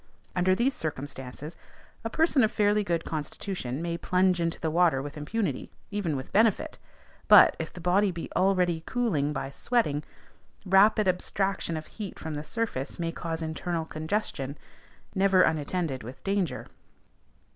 Under these circumstances, a person of fairly good constitution may plunge into the water with impunity, even with benefit. But, if the body be already cooling by sweating, rapid abstraction of heat from the surface may cause internal congestion, never unattended with danger.